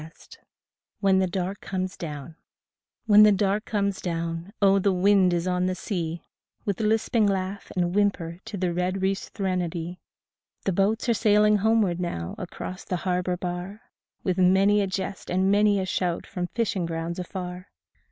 13 WHEN THE DARK COMES DOWN When the dark comes down, oh, the wind is on the sea With lisping laugh and whimper to the red reef's threnody, The boats are sailing homeward now across the har bor bar With many a jest and many a shout from fishing grounds afar.